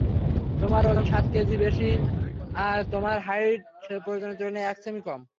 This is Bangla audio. তোমার ওজন সাত কেজি বেশি আর তোমার হাইট প্রয়োজনের তুলনায় এক সেমি কম।